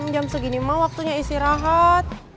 jam segini mah waktunya istirahat